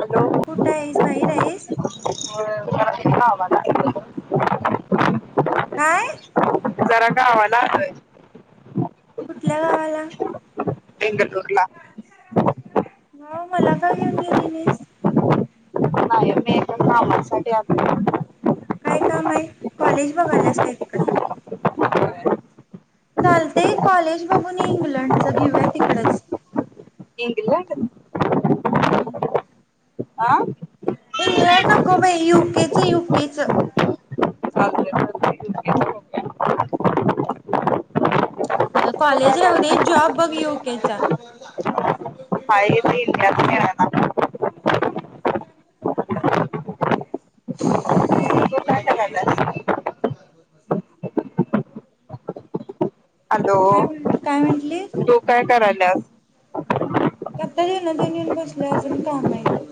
Hello! कुठं आहेस बाहेर आहेस गावाला गेलो गं. काय [unintelligible] जरा गावाला आलोय. कुठल्या गावाला तेंगकला हो मला का घेऊन गेली मीस ण नाही मी कामासाठी आ काय काम आहे कॉलेज बघायलास काय तिकड चालते कॉलेज बघून ये इंग्लंडच घेऊया तिकडच हंगल हम्म आं इंग्लंड ना कोम युक के युकेच चालतंय चालतंय. तू काय कॉलेज राहू दे करायलास जॉब बघ येोक्याचा पाय तत तू काय करायलास हॅलो काय म्हण काय म्हटली तो काय करालास कता देऊन दे न येऊन बसले अस म काम आहे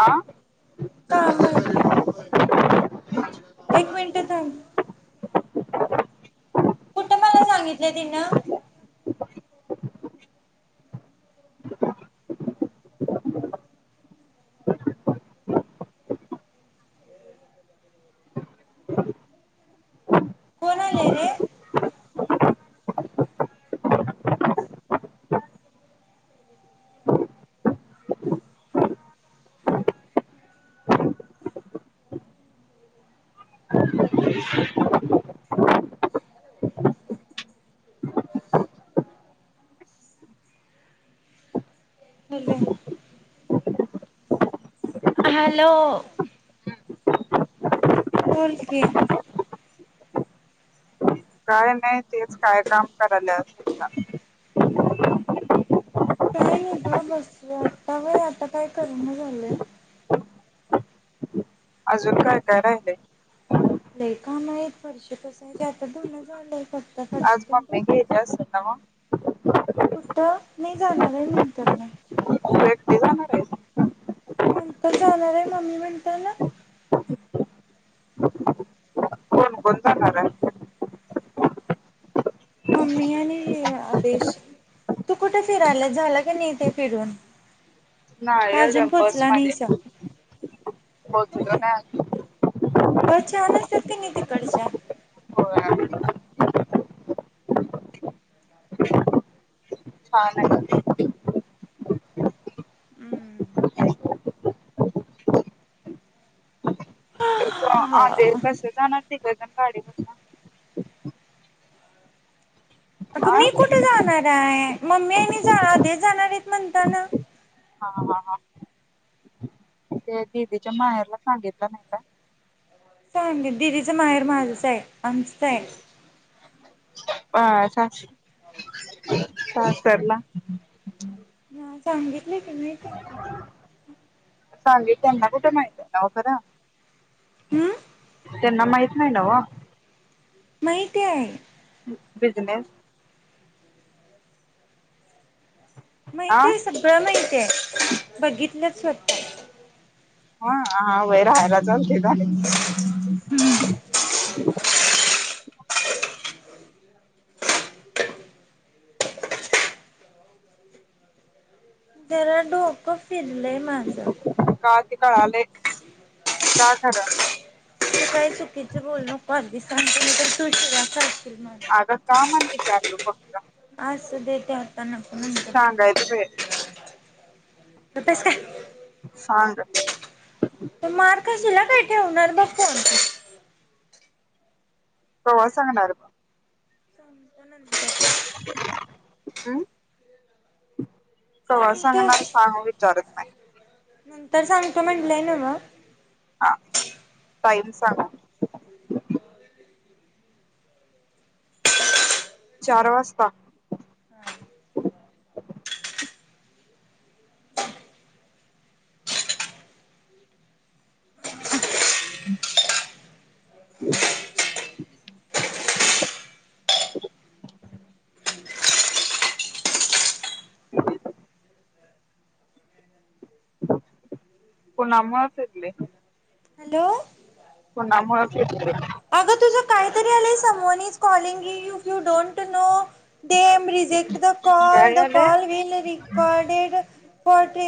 आ काम आहे एक मिनिटग कुठं मला सांगितलं तिन कोणाले रे हला हॅलो बोल कि काय नाही तेच काय काम करायल अस विच काही नाही ग बस आता वय आता काय करण झालं अजून काय काय राहिलं नाही काम आहेत वर्ष कसयचे आता दोनच झालं अज म मग नाही जाणार आहे म्हणता ना तू एकटी जाणार आहेस नंतर जाणार आहे मम्मी म्हणताना कोण कोण जाणार आहे मम्मी आणि आदेश तू कुठे फिरायला झाला क नाही ते फिरून नाही का अजून एकदम बस पोहोचला नाहीसा. मध्येत होय कनी तिकडच्या छान हम्म अ ते कसं जाणार त काले आ अगं मी कुठे जाणार आहे मम्मी आहे आधीच जाणार आहेतेत म्हणताना हा हा हा ते दिदीच्या माहेरला सांगितलं नाही का सांगित दिदीचं माहेर माझच आहे आमचं आहे ह [unintelligible] सासरला. ह सांगितलं की मीचयेकी सांगे त्यांना कुठे माहित नाव खरं. हम्म! त्यांना माहित नाही नवं. माहिती हाय. बिझनेस आ माहित आहे सगळं माहित आहे. बघितलंच स्वतः हा. हा व्हय राहायला [unintelligible] झाले. जरा डोक फिरलंय माझं. का ते कळालयं का खरं? तु काय चुकीच बोलू नको आधीच सांगतो, नाय तर तु शिव्या खाशील. माझ्या आगं का म्हणून विचारलं फक्तं? त्या हातान सांगायच बाय [unintelligible] सांड तु मार ख खाशील ह ठेवणार बघं फोन. कवा सांगणार म? सांगतो नंतर [unintelligible] अं कवा सांगतो सांगणार सांग वी चालत नाय. नंतर सांगतो म्हटलंय नव्हं. हां टाईम सांगा. चार वाजता. [inaudible] [inaudible] कुणामुळं चिडले? हॅलो कुणामुळं चिडले? अगं तुझं काहीतरी आलंय सम one is calling if you don't know them reject the call काय द झाले कॉल विल रिकॉडेड [unintelligible]